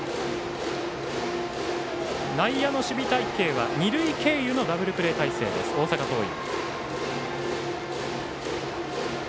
内野の守備隊形は二塁経由のダブルプレー態勢大阪桐蔭。